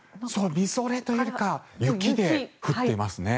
みぞれというよりかは雪で降っていますね。